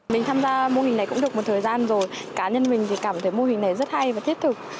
mình tham gia mô hình này cũng được một thời gian rồi cá nhân mình thì cảm thấy mô hình này rất hay và thiết thực